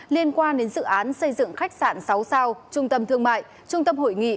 liên quan đến dự án xây dựng khách sạn sáu sao trung tâm thương mại trung tâm hội nghị